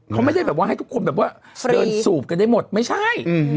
เขาไม่ได้แบบว่าให้ทุกคนเวลาทุกคนเถิดสูบกันได้หมดไม่ใช่